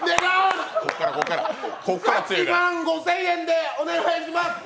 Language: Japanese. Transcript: ８万５０００円でお願いします！